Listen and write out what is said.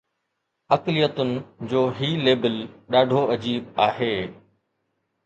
اقليتن جو هي ليبل ڏاڍو عجيب آهي.